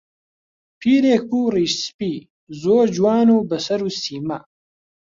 پیرێک بوو ڕیش سپی، زۆر جوان و بە سەر و سیما